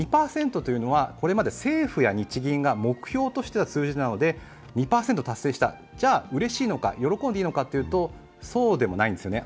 ２％はこれまで政府や日銀が目標としていた数字なので、２％達成した、じゃあ、うれしいのか、喜んでいいのかというとそうでもないんですね。